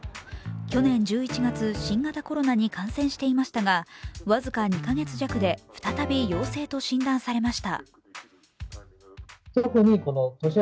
去年１１月、新型コロナに感染していましたが僅か２か月弱で再び陽性と診断されました。